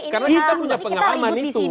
karena kita punya pengalaman itu